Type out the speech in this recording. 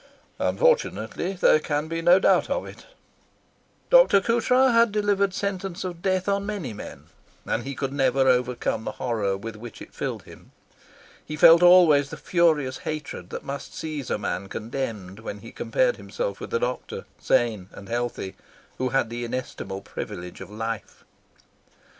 "Unfortunately, there can be no doubt of it." Dr. Coutras had delivered sentence of death on many men, and he could never overcome the horror with which it filled him. He felt always the furious hatred that must seize a man condemned when he compared himself with the doctor, sane and healthy, who had the inestimable privilege of life.